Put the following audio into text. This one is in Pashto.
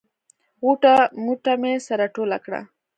غوټه موټه مې سره ټوله کړه.